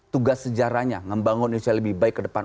tugas sejarahnya ngembangun indonesia lebih baik ke depan